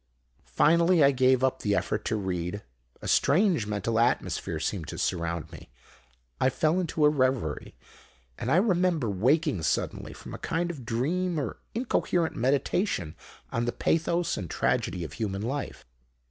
Finally, I gave up the effort to read; a strange mental atmosphere seemed to surround me; I fell into a reverie, and I remember waking suddenly from a kind of dream, or incoherent meditation on the pathos and tragedy of human life.